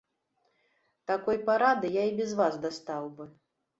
Такой парады я і без вас дастаў бы.